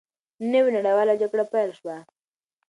نوې نړیواله جګړه پیل شوه.